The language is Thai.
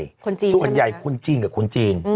คนจีนใช่ไหมครับส่วนใหญ่คนจีนกับคนจีน